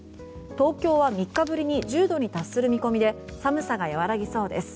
東京は３日ぶりに１０度に達する見込みで寒さが和らぎそうです。